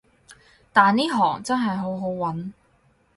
但呢行真係好好搵